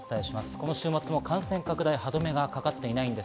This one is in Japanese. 今週末も感染拡大に歯止めがかかっていません。